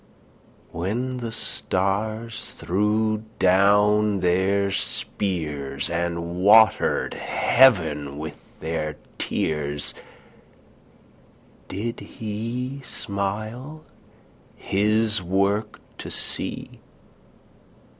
When the stars threw down their spears, And watered heaven with their tears, Did he smile his work to see?